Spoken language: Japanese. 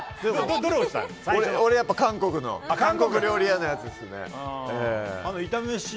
俺は韓国料理屋のやつですね。